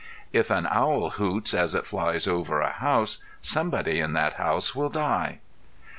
If an owl hoots as it flies over a house, somebody in that house will die.